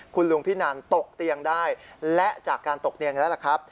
คุณลุงพินันตกเตียงได้และจากการตกเตียงแล้วล่ะครับ